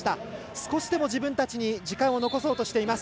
少しでも自分たちに時間を残そうとしています。